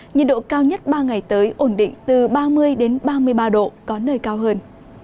nhiệt độ cao nhất ba ngày tới ổn định từ ba mươi ba mươi ba độ có nơi cao hơn